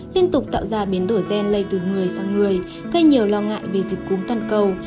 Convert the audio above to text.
liên tục tạo ra biến đổi gen lây từ người sang người gây nhiều lo ngại về dịch cúm toàn cầu